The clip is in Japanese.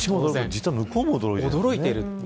実は向こうも驚いているんですね。